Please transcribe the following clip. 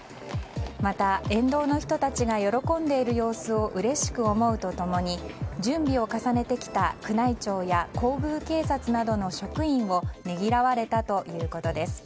また、沿道の人たちが喜んでいる様子をうれしく思うと共に準備を重ねてきた宮内庁や皇宮警察などの職員をねぎらわれたということです。